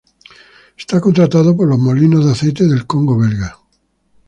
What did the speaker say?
Es contratado por los Molinos de aceite del Congo belga.